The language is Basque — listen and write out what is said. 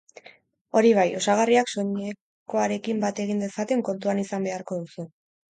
Hori bai, osagarriak soinekoarekin bat egin dezaten kontuan izan beharko duzu.